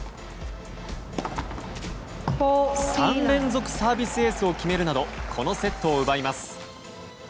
３連続サービスエースを決めるなどこのセットを奪います。